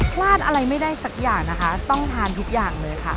พลาดอะไรไม่ได้สักอย่างนะคะต้องทานทุกอย่างเลยค่ะ